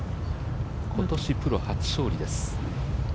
今年プロ初勝利です。